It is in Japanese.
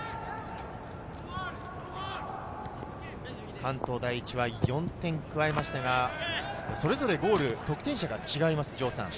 関東第一は４点目を加えましたが、それぞれゴール・得点者が違います。